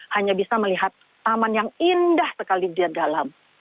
hanya bisa melihat taman yang indah sekali di dalam